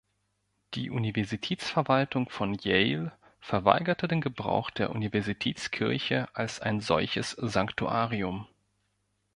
Die Universitätsverwaltung von Yale verweigerte den Gebrauch der Universitätskirche als ein solches Sanktuarium.